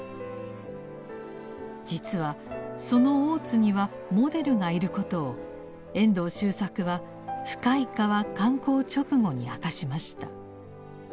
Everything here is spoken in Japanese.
実はその大津にはモデルがいることを遠藤周作は「深い河」刊行直後に明かしました。